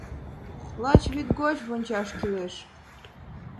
Лач вӱд гоч вончаш кӱлеш.